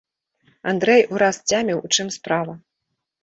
Андрэй ураз сцяміў, у чым справа.